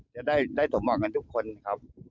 จะได้สมหวังกันทุกคนครับ